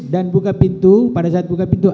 dan buka pintu